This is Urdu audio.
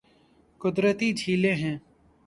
قدرتی جھیلیں ہیں